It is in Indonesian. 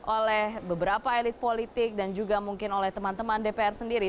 oleh beberapa elit politik dan juga mungkin oleh teman teman dpr sendiri